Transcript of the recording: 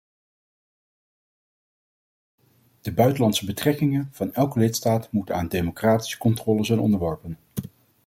De buitenlandse betrekkingen van elke lidstaat moeten aan democratische controle zijn onderworpen.